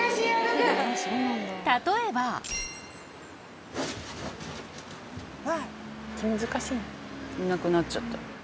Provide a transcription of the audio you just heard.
例えばいなくなっちゃった。